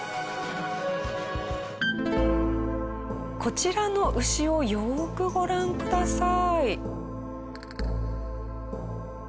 こちらの牛をよーくご覧ください。